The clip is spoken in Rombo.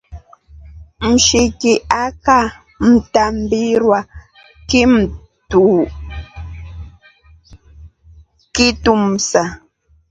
Mshiki akamta mbirwa kitumsa.